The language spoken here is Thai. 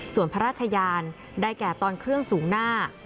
ส่วนพระราชยานได้แก่ตอนเครื่องสูงหน้า